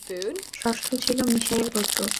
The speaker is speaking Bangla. ষষ্ঠ ছিল মীশা-এর গোত্র।